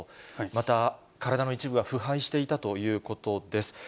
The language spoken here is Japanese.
また、体の一部が腐敗していたということです。